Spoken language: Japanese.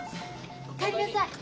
お帰りなさい。